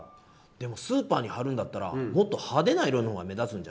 でもスーパーに貼るんだったらもっと派手な色のほうが目立つんじゃない？